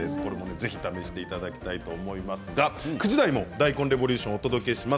ぜひ試していただきたいと思いますが９時台も大根レボリューションお届けします。